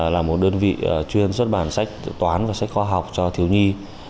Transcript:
là một đơn vị chuyên xuất bản sách toán và sách khoa học cho thiếu nhi